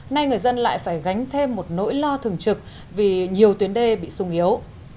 nay người dân lại phải gánh thêm một nỗi lo thường trực vì nhiều tuyến đê bị sung yếu